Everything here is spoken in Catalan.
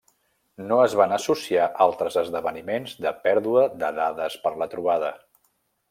No es van associar altres esdeveniments de pèrdua de dades per la trobada.